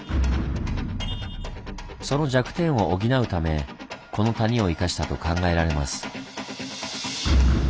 その弱点を補うためこの谷を生かしたと考えられます。